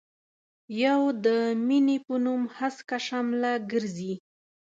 يو د مينې په نوم هسکه شمله ګرزي.